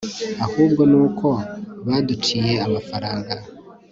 ahubwo nuko baduciye amafaranga